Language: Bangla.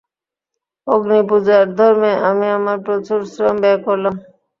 অগ্নিপূজার ধর্মে আমি আমার প্রচুর শ্রম ব্যয় করলাম।